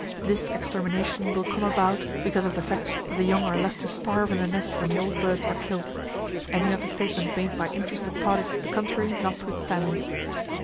This extermination will come about because of the fact that the young are left to starve in the nest when the old birds are killed, any other statement made by interested parties to the contrary notwithstanding.